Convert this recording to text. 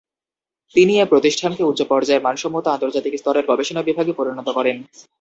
তিনি এ প্রতিষ্ঠানকে উচ্চপর্যায়ের মানসম্পন্ন আন্তর্জাতিক স্তরের গবেষণা বিভাগে পরিণত করেন।